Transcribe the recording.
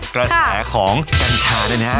กระแสของกัญชาเนี่ยนะฮะ